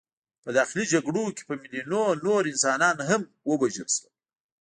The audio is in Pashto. په داخلي جګړو کې په میلیونونو نور انسانان هم ووژل شول.